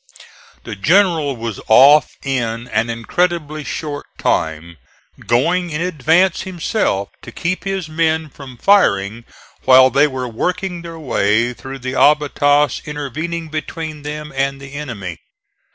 The general was off in an incredibly short time, going in advance himself to keep his men from firing while they were working their way through the abatis intervening between them and the enemy.